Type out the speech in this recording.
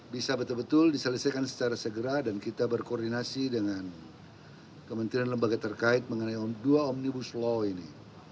bisa betul betul diselesaikan secara segera dan kita berkoordinasi dengan kementerian lembaga terkait mengenai dua omnibus law ini